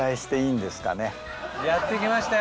やってきましたよ